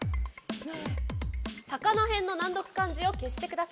魚へんの難読漢字を消してください。